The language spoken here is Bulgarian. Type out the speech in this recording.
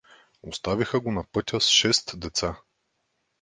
Оставиха го на пътя с шест деца!